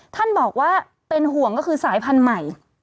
ท่านบอกว่าเป็นห่วงก็คือสายพันธุ์ใหม่